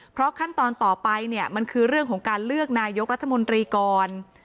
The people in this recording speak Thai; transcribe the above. เพราะขั้นตอนต่อไปเนี่ยมันคือเรื่องของการเลือกนายกรัฐมนตรีก่อน